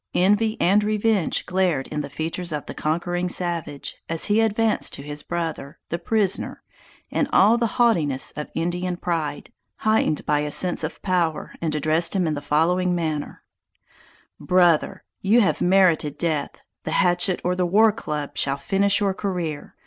Envy and revenge glared in the features of the conquering savage, as he advanced to his brother (the prisoner) in all the haughtiness of Indian pride, heightened by a sense of power, and addressed him in the following manner: "Brother, you have merited death! The hatchet or the war club shall finish your career!